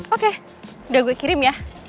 oke udah gue kirim ya